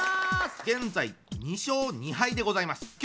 現在２勝２敗でございます。